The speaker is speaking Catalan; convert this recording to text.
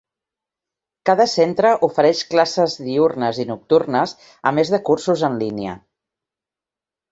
Cada centre ofereix classes diürnes i nocturnes, a més de cursos en línia.